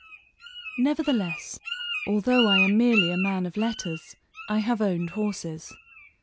Nevertheless, although I am merely a man of letters, I have owned horses.